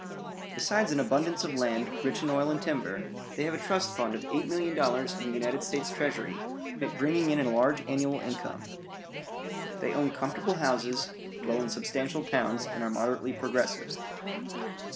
Besides an abundance of land, rich in oil and timber, they have a trust fund of eight million dollars in the United States Treasury, bringing in a large annual income. They own comfortable houses, dwell in substantial towns, and are moderately progressive.